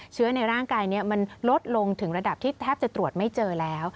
เชื้อในร่างกายนี้มันลดลงถึงระดับที่แทบจะตรวจไม่เจอแล้ว